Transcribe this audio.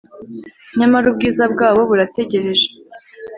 nyamara ubwiza bwabo burategereje